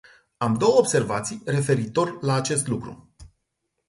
Am două observații referitor la acest lucru.